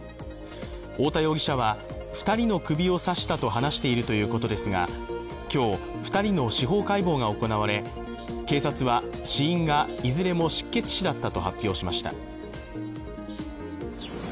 太田容疑者は、２人の首を刺したと話しているということですが、今日、２人の司法解剖が行われ警察は死因がいずれも失血死だったと発表しました。